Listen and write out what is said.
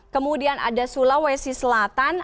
kemudian ada sulawesi selatan